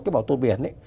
cái bảo tồn biển